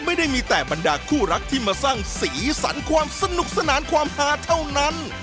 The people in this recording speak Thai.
ไม่ได้มีแต่บรรดาคู่รักที่มาสร้างสีสันความสนุกสนานความฮาเท่านั้น